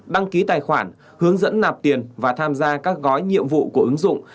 đăng ký tài khoản hướng dẫn nạp tiền và tham gia các gói nhiệm vụ của ứng dụng